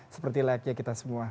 seperti layaknya kita semua